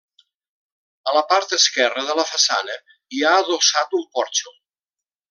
A la part esquerra de la façana hi ha adossat un porxo.